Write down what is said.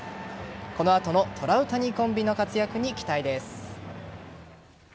この後のトラウタニコンビの活躍に期待です。